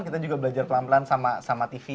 kita juga belajar pelan pelan sama tv